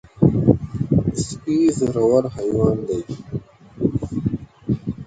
سپي زړور حیوان دی.